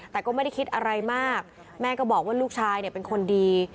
แต่ก็ไม่ได้คิดอะไรมากแม่ก็บอกว่าลูกชายเนี่ยเป็นคนดี